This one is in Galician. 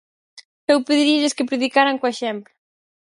Eu pediríalles que predicaran co exemplo.